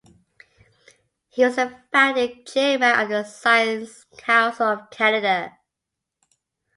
He was the founding Chairman of the Science Council of Canada.